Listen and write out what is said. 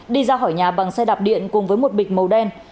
đi ra khỏi nhà bằng xe đạp điện cùng với một bịch màu đen